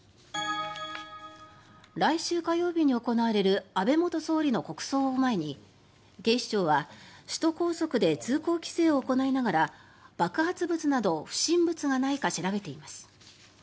来週火曜日に行われる安倍元総理の国葬を前に警視庁は首都高速で通行規制を行いながら爆発物など不審物がないか調べています。